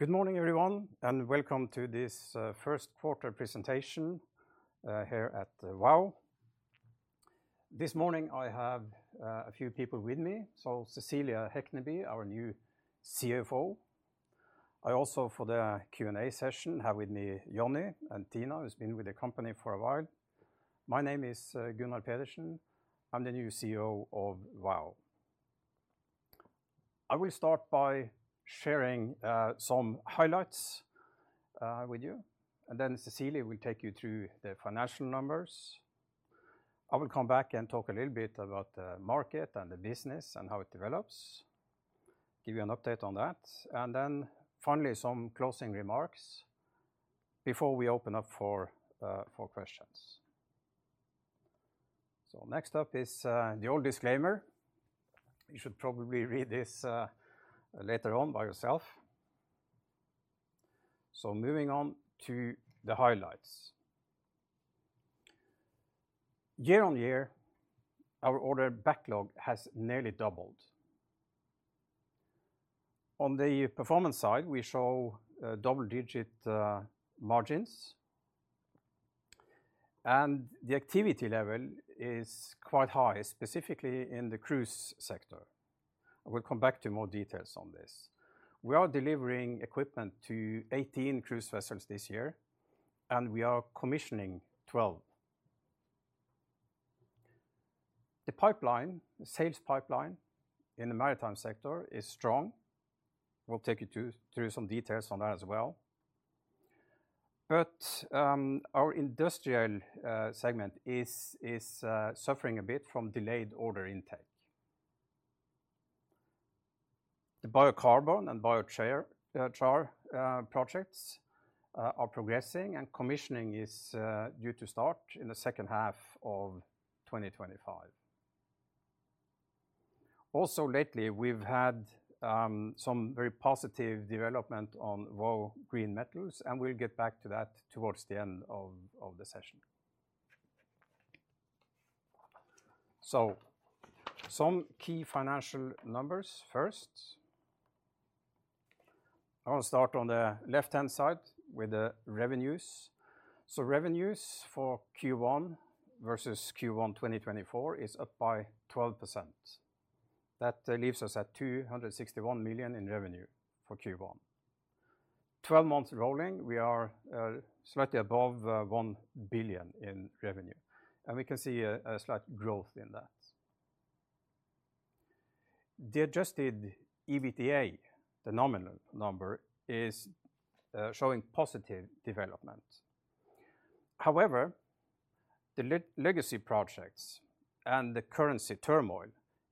Good morning, everyone, and welcome to this First Quarter Presentation here at Vow. This morning I have a few people with me, so Cecilie Hekneby, our new CFO. I also, for the Q&A session, have with me Jonny and Tina, who's been with the company for a while. My name is Gunnar Pedersen. I'm the new CEO of Vow. I will start by sharing some highlights with you, and then Cecilie will take you through the financial numbers. I will come back and talk a little bit about the market and the business and how it develops, give you an update on that. Finally, some closing remarks before we open up for questions. Next up is the old disclaimer. You should probably read this later on by yourself. Moving on to the highlights. Year-on-year, our order backlog has nearly doubled. On the performance side, we show double-digit margins, and the activity level is quite high, specifically in the Cruise sector. I will come back to more details on this. We are delivering equipment to 18 cruise vessels this year, and we are commissioning 12. The sales pipeline in the Maritime sector is strong. I will take you through some details on that as well. Our Industrial segment is suffering a bit from delayed order intake. The biocarbon and biochar projects are progressing, and commissioning is due to start in the second half of 2025. Also, lately, we have had some very positive development on Vow Green Metals, and we will get back to that towards the end of the session. Some key financial numbers first. I want to start on the left-hand side with the revenues. Revenues for Q1 versus Q1 2024 is up by 12%. That leaves us at 261 million in revenue for Q1. Twelve months rolling, we are slightly above 1 billion in revenue, and we can see a slight growth in that. The adjusted EBITDA, the nominal number, is showing positive development. However, the legacy projects and the currency turmoil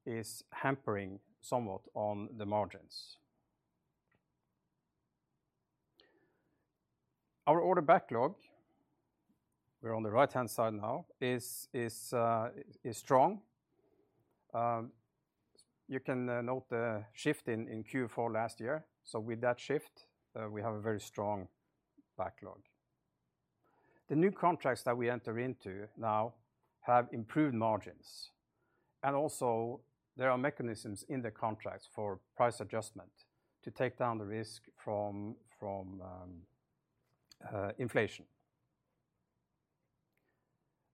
are hampering somewhat on the margins. Our order backlog, we are on the right-hand side now, is strong. You can note the shift in Q4 last year. With that shift, we have a very strong backlog. The new contracts that we enter into now have improved margins, and also there are mechanisms in the contracts for price adjustment to take down the risk from inflation.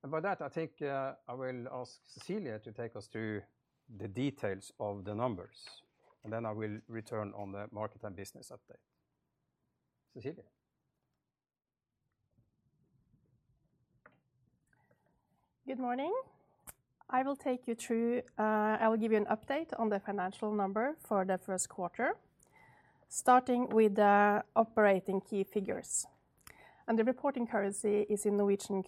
By that, I think I will ask Cecilie to take us through the details of the numbers, and then I will return on the market and business update. Cecilie. Good morning. I will take you through, I will give you an update on the financial number for the first quarter, starting with the operating key figures. The reporting currency is in NOK.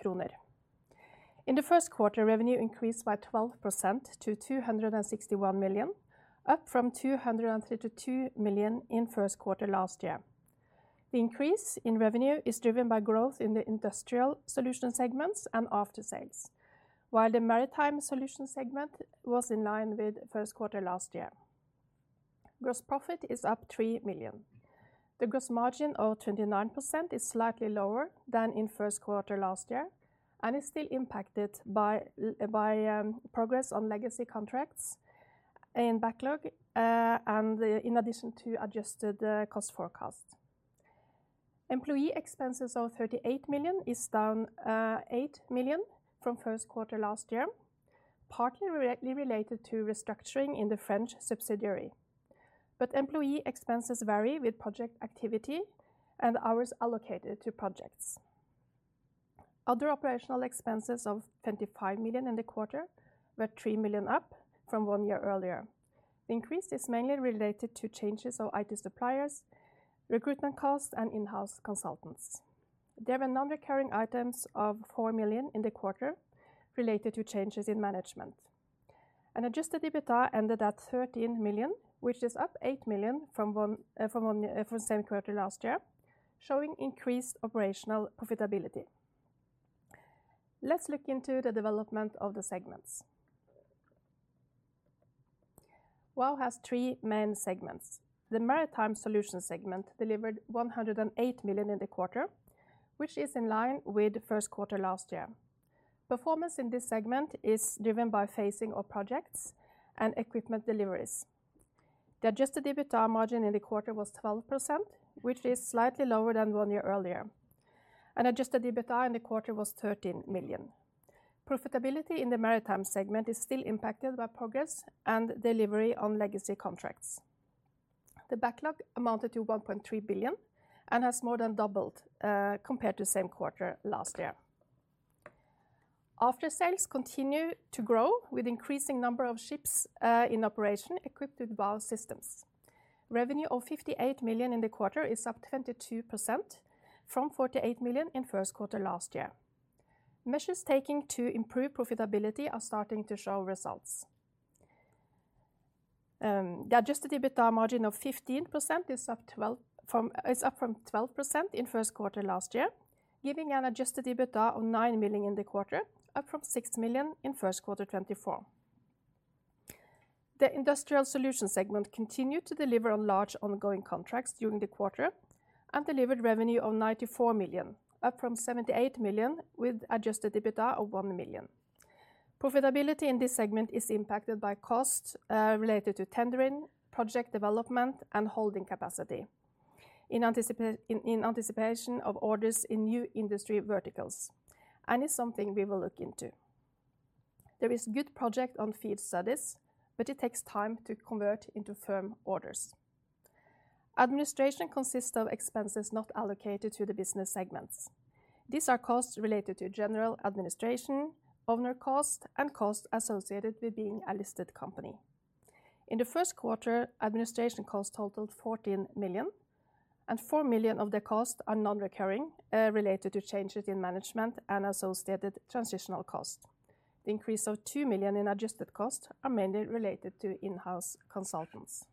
In the first quarter, revenue increased by 12% to 261 million, up from 232 million in first quarter last year. The increase in revenue is driven by growth in the Industrial Solutions segments and Aftersales, while the Maritime Solutions segment was in line with first quarter last year. Gross profit is up 3 million. The gross margin of 29% is slightly lower than in first quarter last year and is still impacted by progress on legacy contracts in backlog and in addition to adjusted cost forecast. Employee expenses of 38 million is down 8 million from first quarter last year, partly related to restructuring in the French subsidiary. Employee expenses vary with project activity and hours allocated to projects. Other operational expenses of 25 million in the quarter were 3 million up from one year earlier. The increase is mainly related to changes of IT suppliers, recruitment costs, and in-house consultants. There were non-recurring items of 4 million in the quarter related to changes in management. Adjusted EBITDA ended at 13 million, which is up 8 million from same quarter last year, showing increased operational profitability. Let's look into the development of the segments. Vow has three main segments. The Maritime Solutions segment delivered 108 million in the quarter, which is in line with first quarter last year. Performance in this segment is driven by phasing of projects and equipment deliveries. The adjusted EBITDA margin in the quarter was 12%, which is slightly lower than one year earlier. Adjusted EBITDA in the quarter was 13 million. Profitability in the Maritime Segment is still impacted by progress and delivery on legacy contracts. The backlog amounted to 1.3 billion and has more than doubled compared to same quarter last year. Aftersales continue to grow with increasing number of ships in operation equipped with Vow systems. Revenue of 58 million in the quarter is up 22% from 48 million in first quarter last year. Measures taken to improve profitability are starting to show results. The adjusted EBITDA margin of 15% is up from 12% in first quarter last year, giving an adjusted EBITDA of 9 million in the quarter, up from 6 million in first quarter 2024. The Industrial Solutions segment continued to deliver on large ongoing contracts during the quarter and delivered revenue of 94 million, up from 78 million with adjusted EBITDA of 1 million. Profitability in this segment is impacted by costs related to tendering, project development, and holding capacity in anticipation of orders in new industry verticals, and is something we will look into. There is good project on FEED studies, but it takes time to convert into firm orders. Administration consists of expenses not allocated to the business segments. These are costs related to general administration, owner cost, and costs associated with being a listed company. In the first quarter, administration costs totaled 14 million, and 4 million of the costs are non-recurring related to changes in management and associated transitional costs. The increase of 2 million in adjusted costs is mainly related to in-house consultants.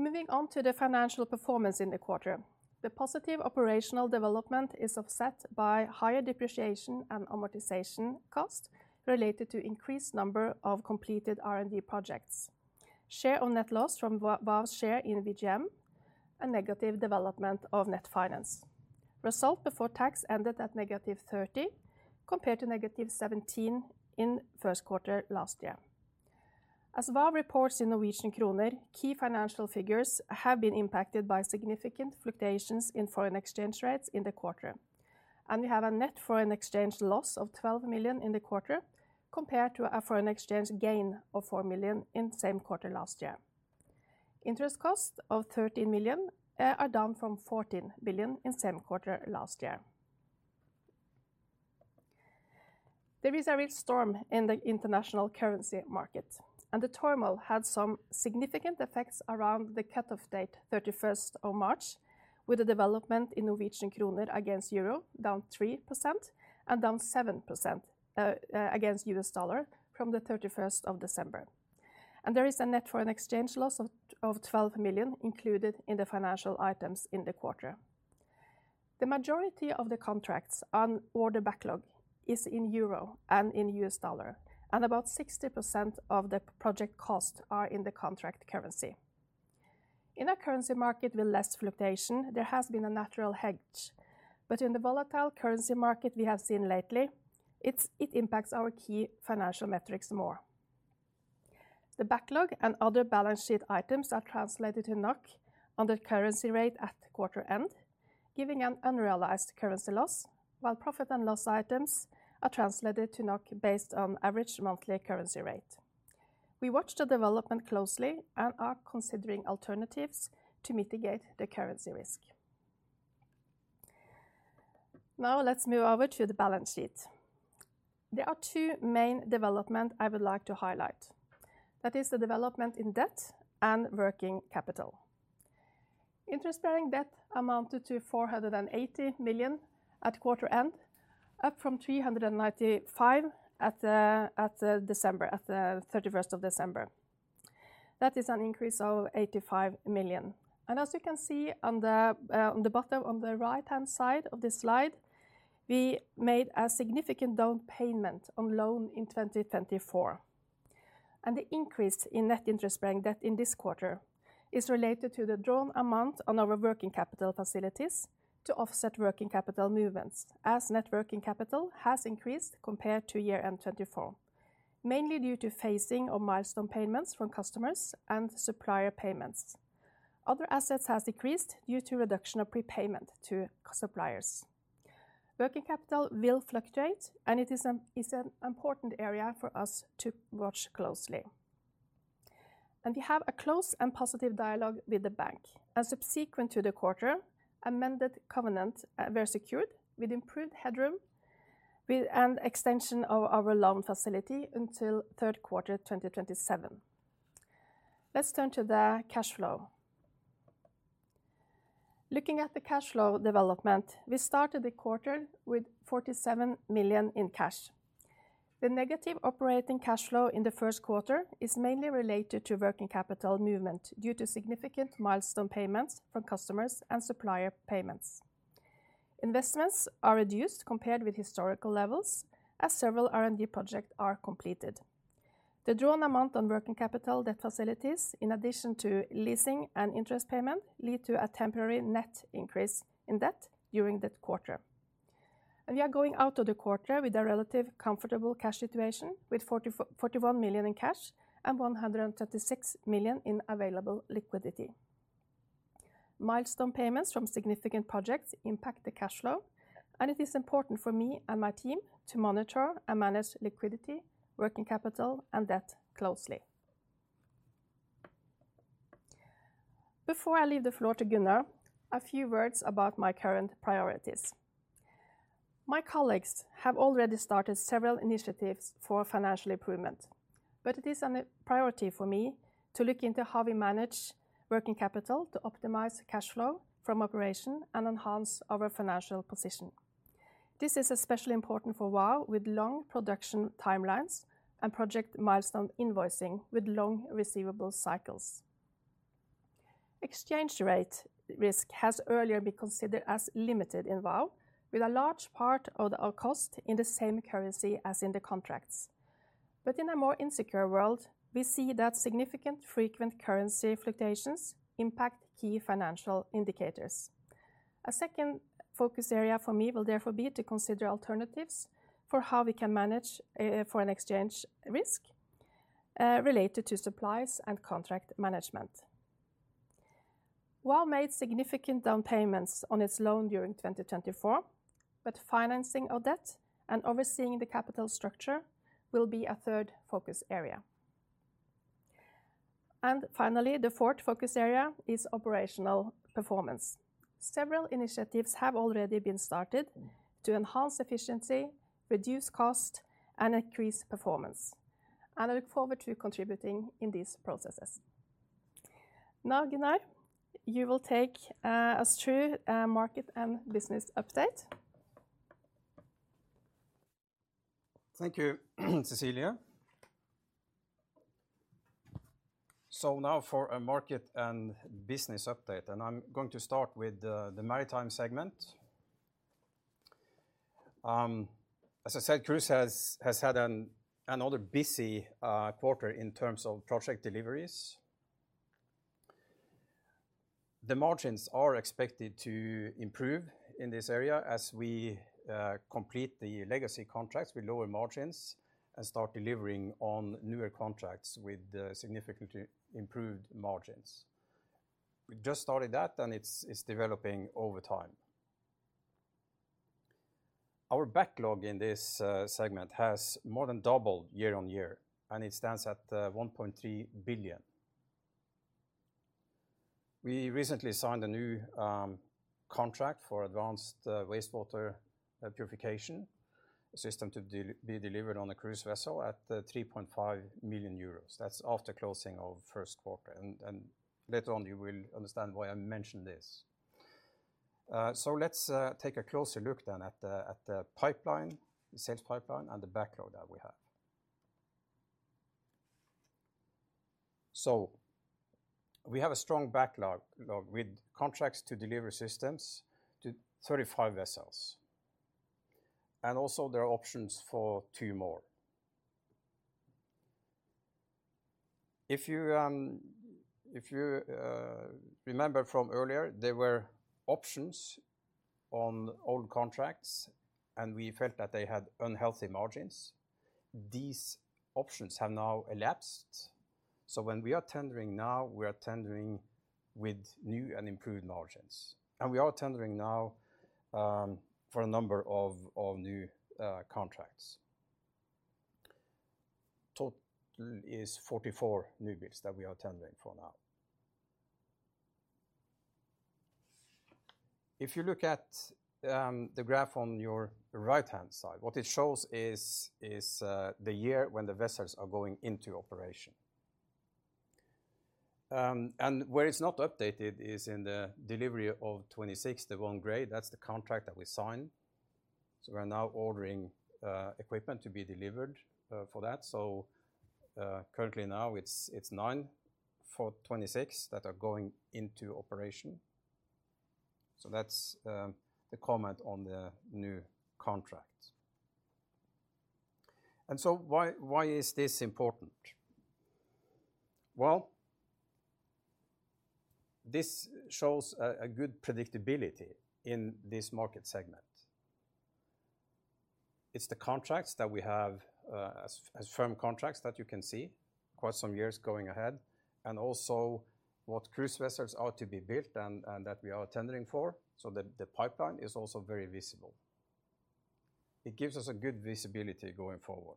Moving on to the financial performance in the quarter, the positive operational development is offset by higher depreciation and amortization costs related to increased number of completed R&D projects, share of net loss from Vow's share in VGM, and negative development of net finance. Result before tax ended at negative 30 million compared to negative 17 million in first quarter last year. As Vow reports in Norwegian kroner, key financial figures have been impacted by significant fluctuations in foreign exchange rates in the quarter, and we have a net foreign exchange loss of 12 million in the quarter compared to a foreign exchange gain of 4 million in same quarter last year. Interest costs of 13 million are down from 14 billion in same quarter last year. There is a real storm in the international currency market, and the turmoil had some significant effects around the cut-off date, 31st of March, with the development in Norwegian kroner against euro down 3% and down 7% against U.S. dollar from the 31st of December. There is a net foreign exchange loss of 12 million included in the financial items in the quarter. The majority of the contracts on order backlog is in euro and in U.S. dollar, and about 60% of the project costs are in the contract currency. In a currency market with less fluctuation, there has been a natural hedge, but in the volatile currency market we have seen lately, it impacts our key financial metrics more. The backlog and other balance sheet items are translated to NOK under currency rate at quarter end, giving an unrealized currency loss, while profit and loss items are translated to NOK based on average monthly currency rate. We watch the development closely and are considering alternatives to mitigate the currency risk. Now let's move over to the balance sheet. There are two main developments I would like to highlight. That is the development in debt and working capital. Interest-bearing debt amounted to 480 million at quarter end, up from 395 million at December, at the 31st of December. That is an increase of 85 million. As you can see on the bottom on the right-hand side of this slide, we made a significant down payment on loan in 2024. The increase in net interest-bearing debt in this quarter is related to the drawn amount on our working capital facilities to offset working capital movements, as net working capital has increased compared to year-end 2024, mainly due to phasing of milestone payments from customers and supplier payments. Other assets have decreased due to reduction of prepayment to suppliers. Working capital will fluctuate, and it is an important area for us to watch closely. We have a close and positive dialogue with the bank. Subsequent to the quarter, amended covenant was secured with improved headroom and extension of our loan facility until third quarter 2027. Let's turn to the cash flow. Looking at the cash flow development, we started the quarter with 47 million in cash. The negative operating cash flow in the first quarter is mainly related to working capital movement due to significant milestone payments from customers and supplier payments. Investments are reduced compared with historical levels as several R&D projects are completed. The drawn amount on working capital debt facilities, in addition to leasing and interest payment, led to a temporary net increase in debt during that quarter. We are going out of the quarter with a relatively comfortable cash situation with 41 million in cash and 136 million in available liquidity. Milestone payments from significant projects impact the cash flow, and it is important for me and my team to monitor and manage liquidity, working capital, and debt closely. Before I leave the floor to Gunnar, a few words about my current priorities. My colleagues have already started several initiatives for financial improvement, but it is a priority for me to look into how we manage working capital to optimize cash flow from operation and enhance our financial position. This is especially important for Vow with long production timelines and project milestone invoicing with long receivable cycles. Exchange rate risk has earlier been considered as limited in Vow, with a large part of our cost in the same currency as in the contracts. In a more insecure world, we see that significant frequent currency fluctuations impact key financial indicators. A second focus area for me will therefore be to consider alternatives for how we can manage foreign exchange risk related to supplies and contract management. Vow made significant down payments on its loan during 2024, but financing of debt and overseeing the capital structure will be a third focus area. Finally, the fourth focus area is operational performance. Several initiatives have already been started to enhance efficiency, reduce cost, and increase performance, and I look forward to contributing in these processes. Now, Gunnar, you will take us through a market and business update. Thank you, Cecilie. Now for a market and business update, and I'm going to start with the Maritime segment. As I said, Cruise has had another busy quarter in terms of project deliveries. The margins are expected to improve in this area as we complete the legacy contracts with lower margins and start delivering on newer contracts with significantly improved margins. We just started that, and it's developing over time. Our backlog in this segment has more than doubled year-on-year, and it stands at 1.3 billion. We recently signed a new contract for advanced wastewater purification, a system to be delivered on a cruise vessel at 3.5 million euros. That is after closing of first quarter, and later on you will understand why I mentioned this. Let's take a closer look then at the pipeline, the sales pipeline, and the backlog that we have. We have a strong backlog with contracts to deliver systems to 35 vessels, and also there are options for two more. If you remember from earlier, there were options on old contracts, and we felt that they had unhealthy margins. These options have now elapsed. When we are tendering now, we are tendering with new and improved margins, and we are tendering now for a number of new contracts. Total is 44 new bids that we are tendering for now. If you look at the graph on your right-hand side, what it shows is the year when the vessels are going into operation. Where it is not updated is in the delivery of 2026, the one grade. That is the contract that we signed. We are now ordering equipment to be delivered for that. Currently now it is nine for 2026 that are going into operation. That's the comment on the new contract. Why is this important? This shows a good predictability in this market segment. It's the contracts that we have as firm contracts that you can see quite some years going ahead, and also what cruise vessels are to be built and that we are tendering for. The pipeline is also very visible. It gives us a good visibility going forward.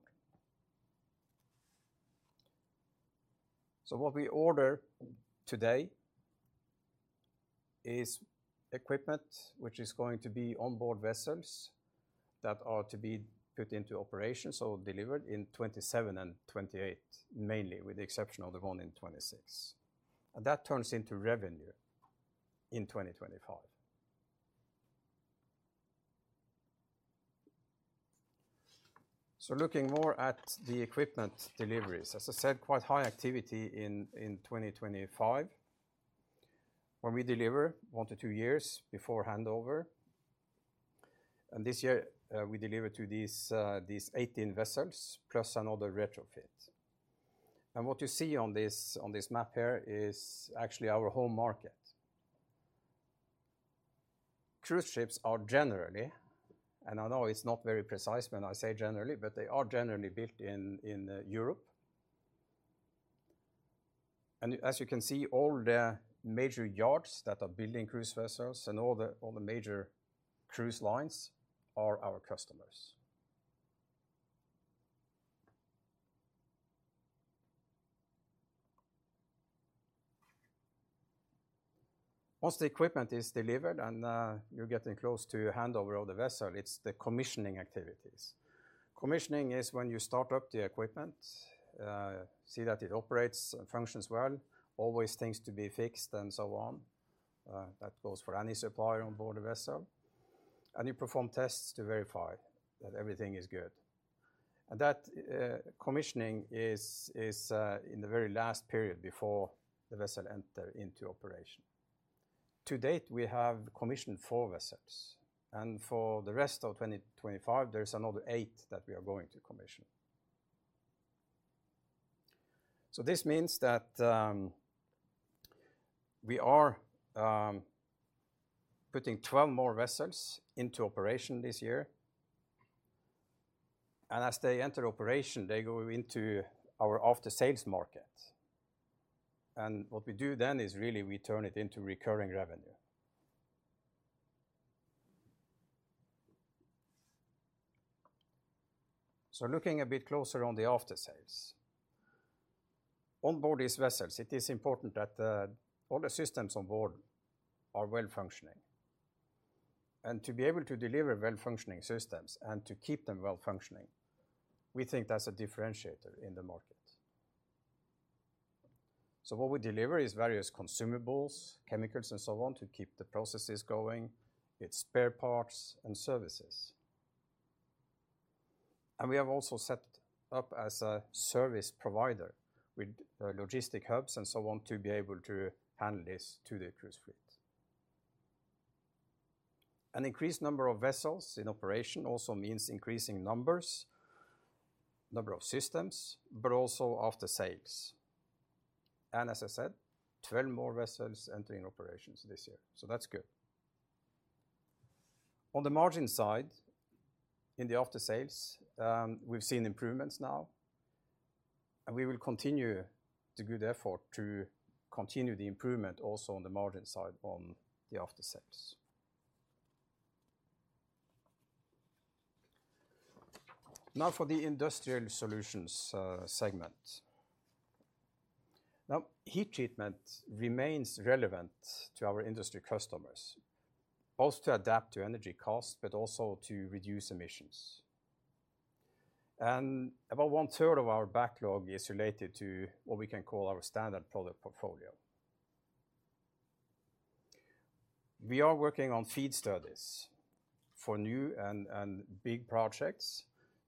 What we order today is equipment, which is going to be onboard vessels that are to be put into operation, so delivered in 2027 and 2028, mainly with the exception of the one in 2026. That turns into revenue in 2025. Looking more at the equipment deliveries, as I said, quite high activity in 2025. When we deliver, one to two years before handover. This year we delivered to these 18 vessels plus another retrofit. What you see on this map here is actually our whole market. Cruise ships are generally, and I know it's not very precise when I say generally, but they are generally built in Europe. As you can see, all the major yards that are building cruise vessels and all the major cruise lines are our customers. Once the equipment is delivered and you're getting close to handover of the vessel, it's the commissioning activities. Commissioning is when you start up the equipment, see that it operates and functions well, always things to be fixed and so on. That goes for any supplier onboard a vessel. You perform tests to verify that everything is good. That commissioning is in the very last period before the vessel enters into operation. To date, we have commissioned four vessels, and for the rest of 2025, there's another eight that we are going to commission. This means that we are putting 12 more vessels into operation this year. As they enter operation, they go into our Aftersales market. What we do then is really we turn it into recurring revenue. Looking a bit closer on the Aftersales, onboard these vessels, it is important that all the systems onboard are well functioning. To be able to deliver well functioning systems and to keep them well functioning, we think that's a differentiator in the market. What we deliver is various consumables, chemicals, and so on to keep the processes going, its spare parts and services. We have also set up as a service provider with logistic hubs and so on to be able to handle this to the cruise fleet. An increased number of vessels in operation also means increasing number of systems, but also Aftersales. As I said, 12 more vessels entering operations this year. That's good. On the margin side, in the Aftersales, we've seen improvements now, and we will continue to do the effort to continue the improvement also on the margin side on the Aftersales. Now for the Industrial Solutions segment. Heat treatment remains relevant to our industry customers, both to adapt to energy costs, but also to reduce emissions. About one third of our backlog is related to what we can call our standard product portfolio. We are working on FEED studies for new and big projects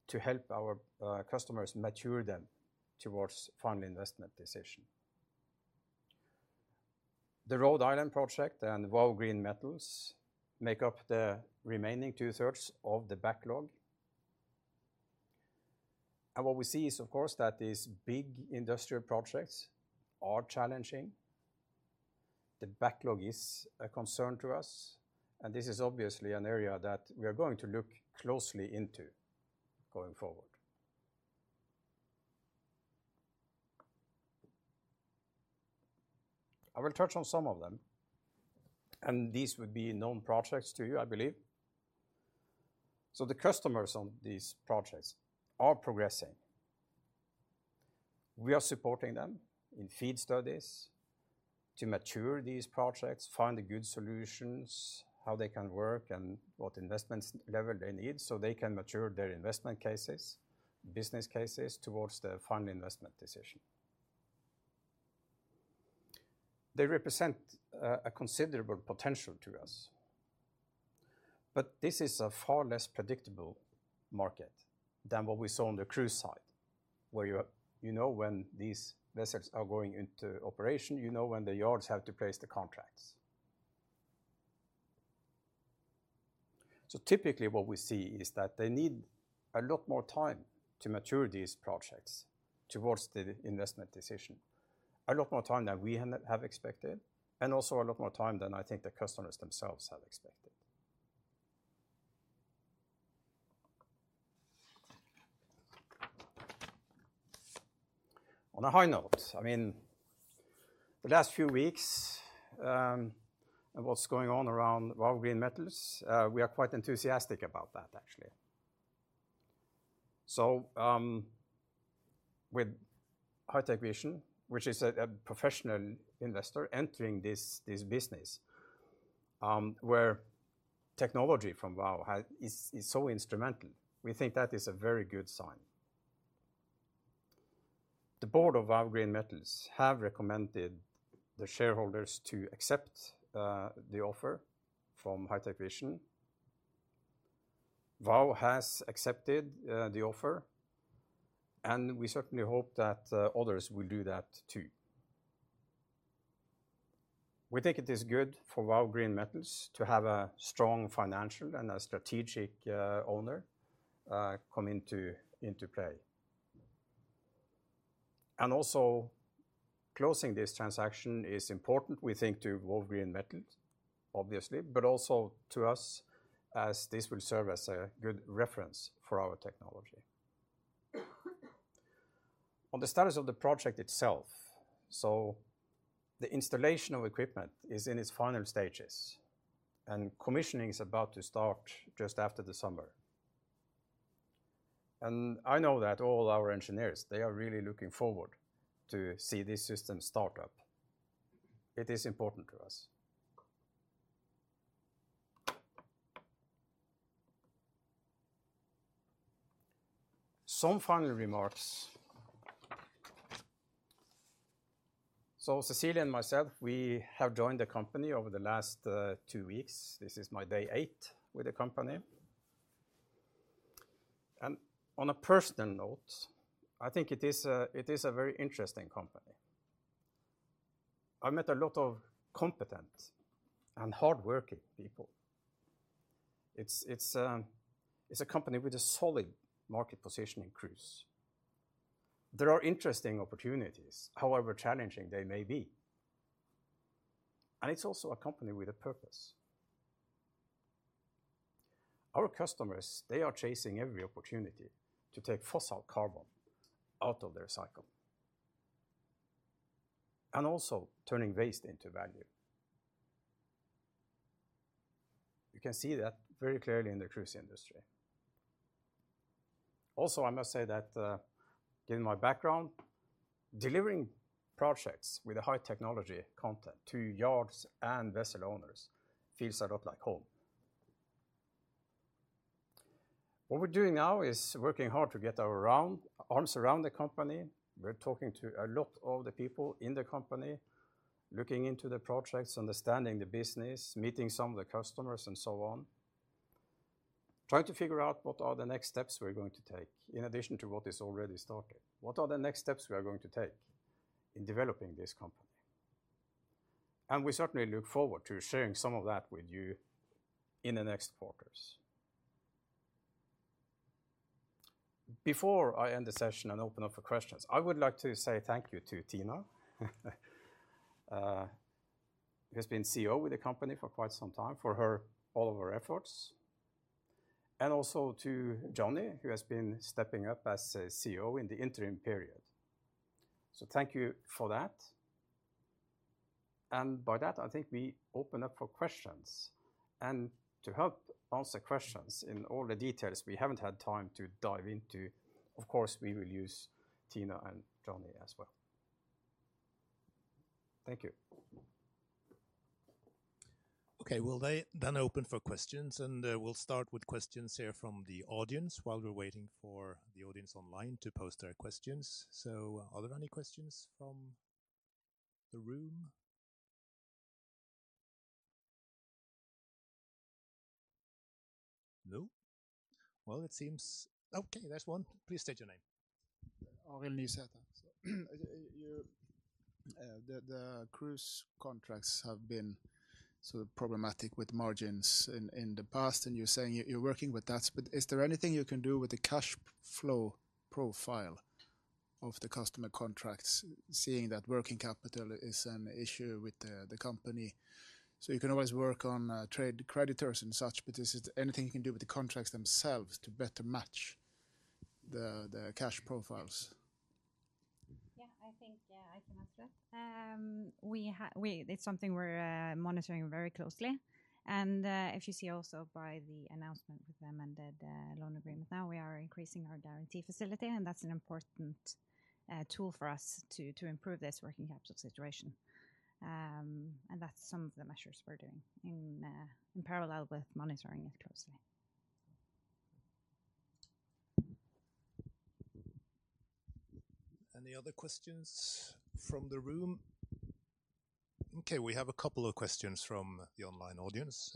to help our customers mature them towards Final Investment Decision. The Rhode Island Project and Vow Green Metals make up the remaining two thirds of the backlog. What we see is, of course, that these big industrial projects are challenging. The backlog is a concern to us, and this is obviously an area that we are going to look closely into going forward. I will touch on some of them, and these would be known projects to you, I believe. The customers on these projects are progressing. We are supporting them in FEED studies to mature these projects, find the good solutions, how they can work, and what investment level they need so they can mature their investment cases, business cases towards the Final Investment Decision. They represent a considerable potential to us, but this is a far less predictable market than what we saw on the cruise side, where you know when these vessels are going into operation, you know when the yards have to place the contracts. Typically what we see is that they need a lot more time to mature these projects towards the Investment Decision, a lot more time than we have expected, and also a lot more time than I think the customers themselves have expected. On a high note, I mean, the last few weeks and what's going on around Vow Green Metals, we are quite enthusiastic about that, actually. With High Tech Vision, which is a professional investor entering this business where technology from Vow is so instrumental, we think that is a very good sign. The Board of Vow Green Metals have recommended the shareholders to accept the offer from High Tech Vision. Vow has accepted the offer, and we certainly hope that others will do that too. We think it is good for Vow Green Metals to have a strong financial and a strategic owner come into play. Also, closing this transaction is important, we think, to Vow Green Metals, obviously, but also to us as this will serve as a good reference for our technology. On the status of the project itself, the installation of equipment is in its final stages, and commissioning is about to start just after the summer. I know that all our engineers, they are really looking forward to see this system start up. It is important to us. Some final remarks. Cecilie and myself, we have joined the company over the last two weeks. This is my day eight with the company. On a personal note, I think it is a very interesting company. I met a lot of competent and hardworking people. It's a company with a solid market position in cruise. There are interesting opportunities, however challenging they may be. It's also a company with a purpose. Our customers, they are chasing every opportunity to take fossil carbon out of their cycle and also turning waste into value. You can see that very clearly in the cruise industry. I must say that given my background, delivering projects with a high technology content to yards and vessel owners feels a lot like home. What we're doing now is working hard to get our arms around the company. We're talking to a lot of the people in the company, looking into the projects, understanding the business, meeting some of the customers, and so on, trying to figure out what are the next steps we're going to take in addition to what is already started. What are the next steps we are going to take in developing this company? We certainly look forward to sharing some of that with you in the next quarters. Before I end the session and open up for questions, I would like to say thank you to Tina, who has been CEO with the company for quite some time for all of her efforts, and also to Jonny, who has been stepping up as CEO in the interim period. Thank you for that. By that, I think we open up for questions. To help answer questions in all the details we have not had time to dive into, of course, we will use Tina and Jonny as well. Thank you. Okay, we will then open for questions, and we will start with questions here from the audience while we are waiting for the audience online to post their questions. Are there any questions from the room? No? It seems okay, there is one. Please state your name. The cruise contracts have been sort of problematic with margins in the past, and you are saying you are working with that. Is there anything you can do with the cash flow profile of the customer contracts, seeing that working capital is an issue with the company? You can always work on trade creditors and such, but is there anything you can do with the contracts themselves to better match the cash profiles? Yeah, I think I can answer that. It's something we're monitoring very closely. As you see also by the announcement with them and the loan agreement now, we are increasing our guarantee facility, and that's an important tool for us to improve this working capital situation. That's some of the measures we're doing in parallel with monitoring it closely. Any other questions from the room? Okay, we have a couple of questions from the online audience.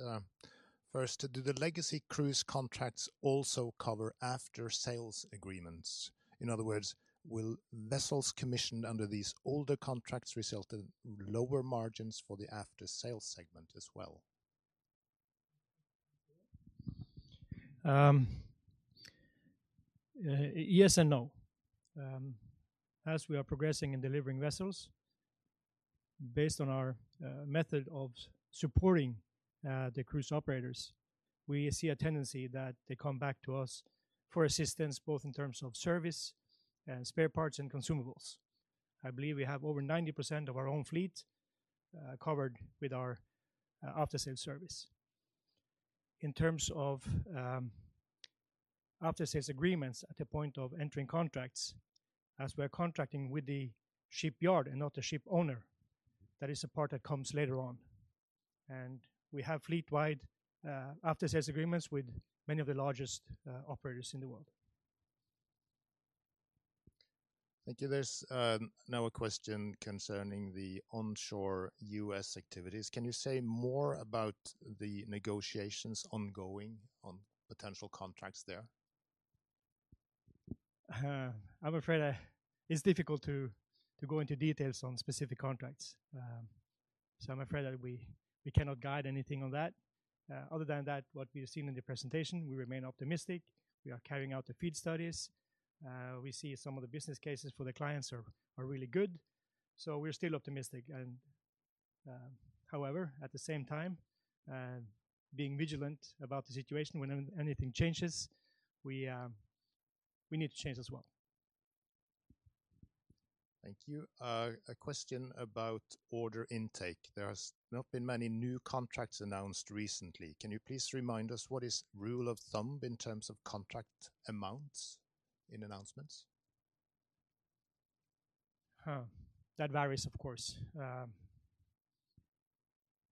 First, do the legacy cruise contracts also cover Aftersales agreements? In other words, will vessels commissioned under these older contracts result in lower margins for the Aftersales segment as well? Yes and no. As we are progressing in delivering vessels, based on our method of supporting the cruise operators, we see a tendency that they come back to us for assistance both in terms of service and spare parts and consumables. I believe we have over 90% of our own fleet covered with our Aftersales service. In terms of Aftersales agreements at the point of entering contracts, as we're contracting with the shipyard and not the ship owner, that is a part that comes later on. We have fleet-wide Aftersales agreements with many of the largest operators in the world. Thank you. There's now a question concerning the onshore U.S. activities. Can you say more about the negotiations ongoing on potential contracts there? I'm afraid it's difficult to go into details on specific contracts. I'm afraid that we cannot guide anything on that. Other than that, what we have seen in the presentation, we remain optimistic. We are carrying out the FEED studies. We see some of the business cases for the clients are really good. We are still optimistic. However, at the same time, being vigilant about the situation when anything changes, we need to change as well. Thank you. A question about order intake. There have not been many new contracts announced recently. Can you please remind us what is rule of thumb in terms of contract amounts in announcements? That varies, of course.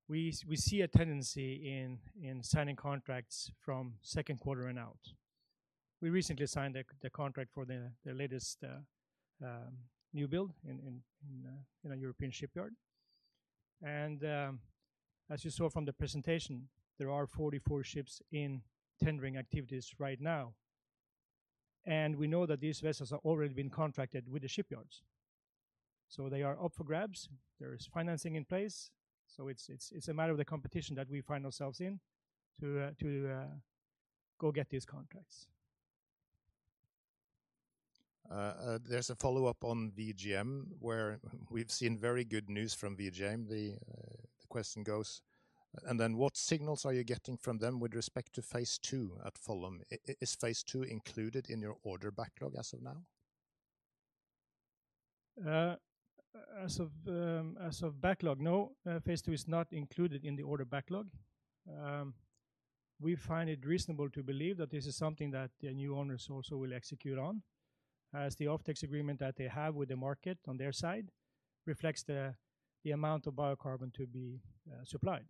We see a tendency in signing contracts from second quarter and out. We recently signed the contract for the latest new build in a European shipyard. As you saw from the presentation, there are 44 ships in tendering activities right now. We know that these vessels have already been contracted with the shipyards. They are up for grabs. There is financing in place. It is a matter of the competition that we find ourselves in to go get these contracts. There's a follow-up on VGM, where we've seen very good news from VGM. The question goes, and then what signals are you getting from them with respect to phase II at Fulham? Is phase II included in your order backlog as of now? As of backlog, no. Phase II is not included in the order backlog. We find it reasonable to believe that this is something that the new owners also will execute on, as the off-take agreement that they have with the market on their side reflects the amount of biocarbon to be supplied.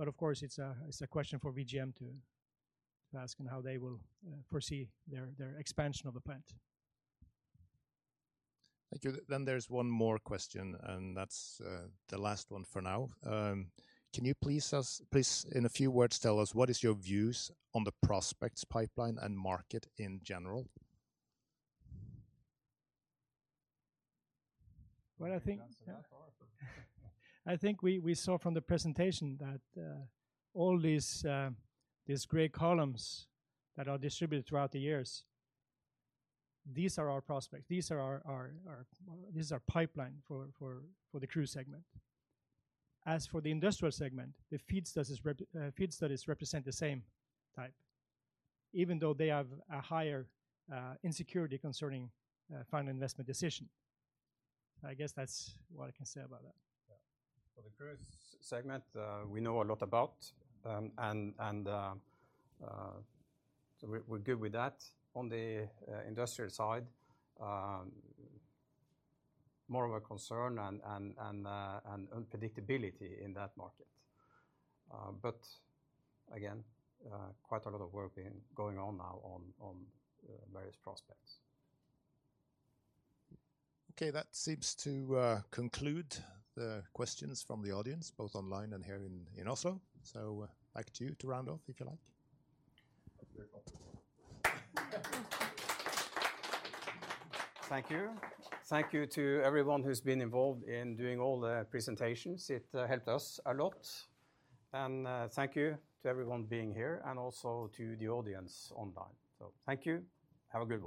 Of course, it's a question for VGM to ask and how they will foresee their expansion of the plant. Thank you. There's one more question, and that's the last one for now. Can you please, in a few words, tell us what is your views on the prospects pipeline and market in general? I think we saw from the presentation that all these gray columns that are distributed throughout the years, these are our prospects. This is our pipeline for the Cruise segment. As for the Industrial segment, the FEED studies represent the same type, even though they have a higher insecurity concerning final investment decision. I guess that's what I can say about that. For the Cruise segment, we know a lot about, and we're good with that. On the Industrial side, more of a concern and unpredictability in that market. Again, quite a lot of work going on now on various prospects. Okay, that seems to conclude the questions from the audience, both online and here in Oslo. Back to you to round off if you like. Thank you. Thank you to everyone who's been involved in doing all the presentations. It helped us a lot. Thank you to everyone being here and also to the audience online. Thank you. Have a good one.